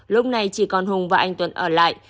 lúc này chỉ còn hùng và anh tuấn ở lại